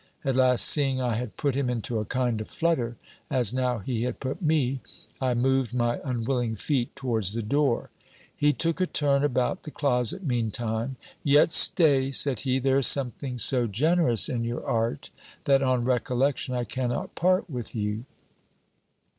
At last, seeing I had put him into a kind of flutter, as now he had put me, I moved my unwilling feet towards the door. He took a turn about the closet meantime. "Yet stay," said he, "there is something so generous in your art, that, on recollection, I cannot part with you."